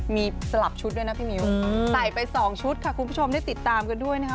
มีสลับชุดด้วยนะพี่มิ้วใส่ไป๒ชุดค่ะคุณผู้ชมได้ติดตามกันด้วยนะคะ